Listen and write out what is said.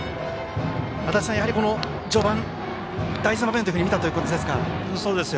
足達さん、序盤、大事な場面と見たということですか。